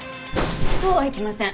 そうはいきません。